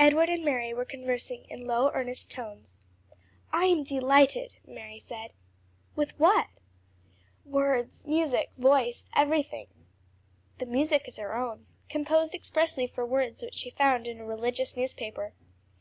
Edward and Mary were conversing in low, earnest tones. "I am delighted!" Mary said. "With what?" "Words, music, voice, everything." "The music is her own, composed expressly for the words, which she found in a religious newspaper."